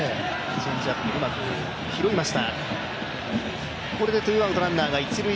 チェンジアップうまく拾いました。